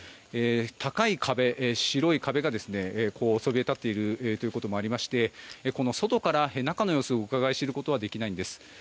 高い壁、白い壁がそびえたっていることもありまして外から中の様子をうかがい知ることはできないんです。